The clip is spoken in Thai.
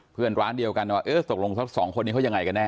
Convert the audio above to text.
เพื่อนร้านเดียวกันว่าเออตกลงสองคนนี้เขายังไงกันแน